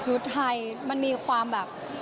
ชุดไทยมันมีความแบบ